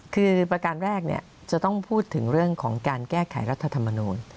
คือประการแรกจะต้องพูดถึงเรื่องของการแก้ไขรัฐธรรมนูล